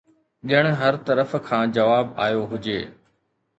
ڄڻ هر طرف کان جواب آيو هجي